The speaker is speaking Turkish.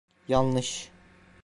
Yanlış.